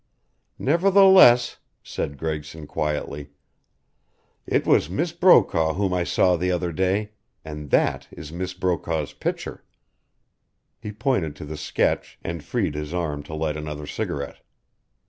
"Nevertheless," said Gregson, quietly, "it was Miss Brokaw whom I saw the other day, and that is Miss Brokaw's picture." He pointed to the sketch, and freed his arm to light another cigarette.